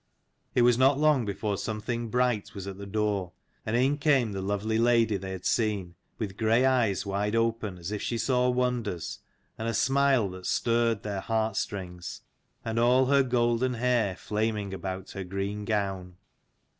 It was not long before something bright was at the door; and in came the lovely lady they had seen, with grey eyes wide open as if she saw wonders, and a smile that stirred their heart 122 strings, and all her golden hair flaming about her green gown.